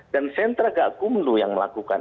dan sentra gakumlu yang melakukan